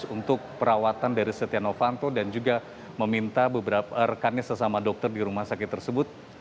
untuk perawatan dari setia novanto dan juga meminta beberapa rekannya sesama dokter di rumah sakit tersebut